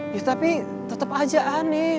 ya tapi tetap aja aneh